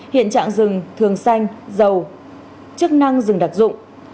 hiện trạng rừng thường xanh giàu chức năng rừng đặc dụng